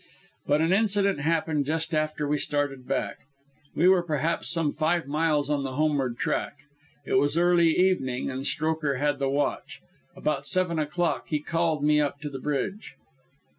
But an incident happened just after we had started back. We were perhaps some five miles on the homeward track. It was early evening and Strokher had the watch. At about seven o'clock he called me up on the bridge.